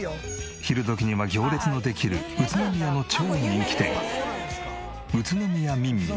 昼時には行列のできる宇都宮みんみん。